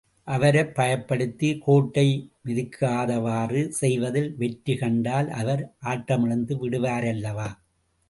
அவரைப் பயப்படுத்தி, கோட்டை மிதிக்காதவாறு செய்வதில் வெற்றி கண்டால், அவர் ஆட்டமிழந்து விடுவாரல்லவா?